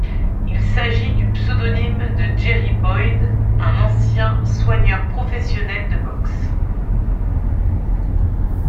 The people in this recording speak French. Il s'agit du pseudonyme de Jerry Boyd, un ancien soigneur professionnel de boxe.